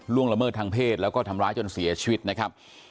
ละเมิดทางเพศแล้วก็ทำร้ายจนเสียชีวิตนะครับ